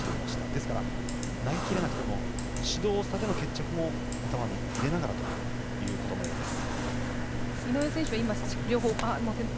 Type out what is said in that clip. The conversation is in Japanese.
ですから投げ切れなくても指導差での決着も頭に入れながらのようです。